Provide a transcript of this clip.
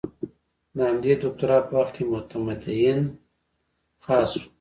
د همدې دوکتورا په وخت کې معتمدین خاص وو.